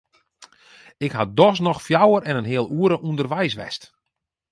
Ik ha dochs noch fjouwer en in heal oere ûnderweis west.